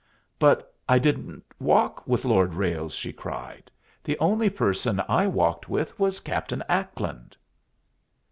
"But I didn't walk with Lord Ralles," she cried. "The only person I walked with was Captain Ackland."